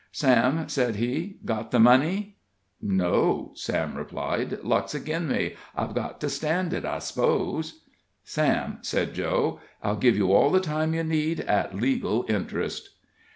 "Sam," said he, "got the money?" "No," Sam replied; "luck's agin me I've got to stand it, I suppose." "Sam," said Joe, "I'll give you all the time you need, at legal interest."